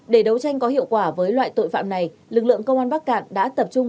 để đấu tranh có hiệu quả với loại tội phạm này lực lượng công an bắc cạn đã tập trung